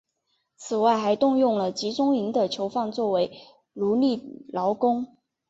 此外还动用了集中营的囚犯作为奴隶劳工。